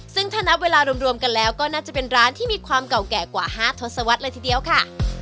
ซึ่งถ้านับเวลารวมกันแล้วก็น่าจะเป็นร้านที่มีความเก่าแก่กว่า๕ทศวรรษเลยทีเดียวค่ะ